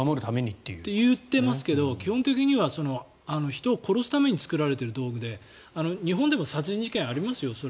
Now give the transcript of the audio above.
と言っていますが基本的には人を殺すために作られている道具で日本でも殺人事件はありますよ